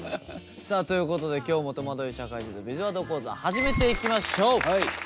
さあということで今日も「とまどい社会人のビズワード講座」始めていきましょう。